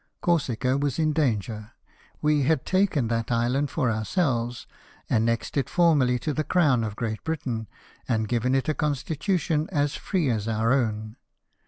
Corsica was in danger. We had taken that island for ourselves, annexed it formally to the Crown of Great Britain, and given it a constitution as free as our own.